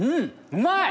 うまい！